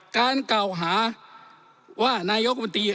การกล่าวหาว่านายกครั้งนี้